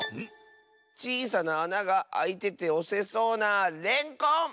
ちいさなあながあいてておせそうなレンコン！